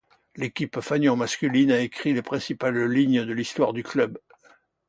L'équipe fanion masculine a écrit les principales lignes de l'histoire du club.